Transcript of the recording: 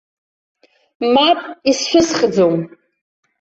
Мап, исшәысхӡом.